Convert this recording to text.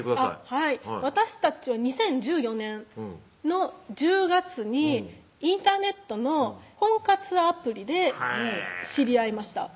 はい私たちは２０１４年の１０月にインターネットの婚活アプリで知り合いました